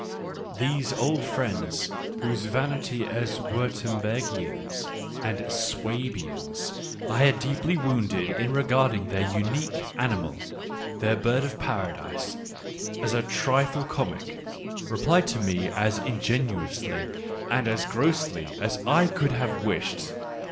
These old friends, whose vanity as Wiirtembergians and Swabians I had deeply wounded in regarding their unique animal, their bird of Paradise, as a trifle comic, replied to me as ingenuously and as grossly as I could have wished.